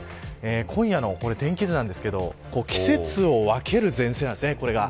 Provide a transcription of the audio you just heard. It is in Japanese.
今夜の天気図なんですけど季節を分ける前線なんですねこれが。